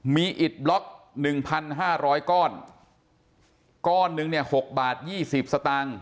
มีอิตบล็อก๑๕๐๐ก้อนก้อนหนึ่ง๖บาท๒๐สตางค์